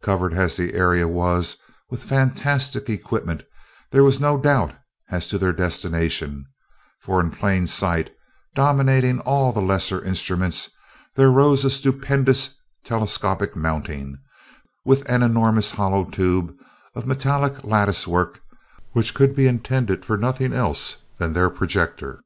Covered as the Area was with fantastic equipment, there was no doubt as to their destination, for in plain sight, dominating all the lesser instruments, there rose a stupendous telescopic mounting, with an enormous hollow tube of metallic lattice work which could be intended for nothing else than their projector.